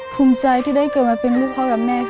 ภูมิใจที่ได้เกิดมาเป็นลูกพ่อกับแม่ค่ะ